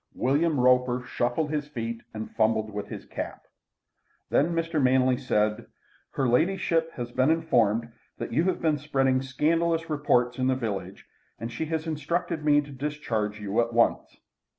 William Roper shuffled his feet and fumbled with his cap. Then Mr. Manley said: "Her ladyship has been informed that you have been spreading scandalous reports in the village, and she has instructed me to discharge you at once."